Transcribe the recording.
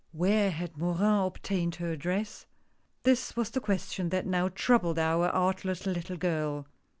"AVhere had Morin obtained her address?" This was the question that now troubled our artless little girl.